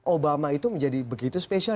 obama itu menjadi begitu spesial